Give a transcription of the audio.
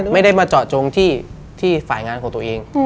ไม่ได้มาเจาะจงที่ฝ่ายงานของตัวเอง